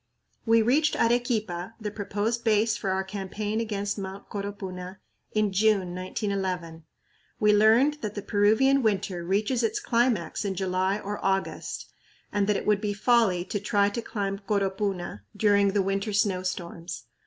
We reached Arequipa, the proposed base for our campaign against Mt. Coropuna, in June, 1911. We learned that the Peruvian "winter" reaches its climax in July or August, and that it would be folly to try to climb Coropuna during the winter snowstorms.